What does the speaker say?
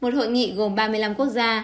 một hội nghị gồm ba mươi năm quốc gia